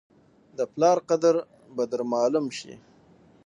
د پلار قدر به در معلوم شي !